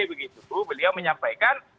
begitu beliau menyampaikan